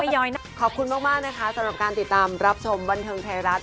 ย้อยนะขอบคุณมากนะคะสำหรับการติดตามรับชมบันเทิงไทยรัฐ